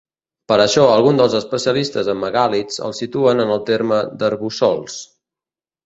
Per això alguns dels especialistes en megàlits el situen en el terme d'Arboçols.